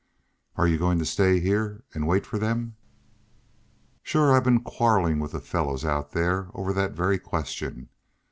"Are y'u goin' to stay heah an' wait for them?" "Shore I've been quarrelin' with the fellars out there over that very question.